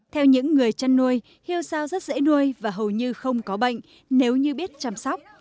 theo những người chăn nuôi heo rất dễ nuôi và hầu như không có bệnh nếu như biết chăm sóc